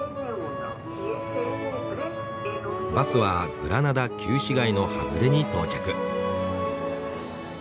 バスはグラナダ旧市街の外れに到着。